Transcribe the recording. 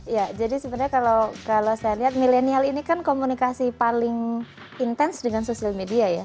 ya jadi sebenarnya kalau saya lihat milenial ini kan komunikasi paling intens dengan sosial media ya